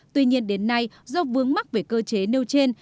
tuy nhiên đến nay do vướng mắc về cơ chế nêu trên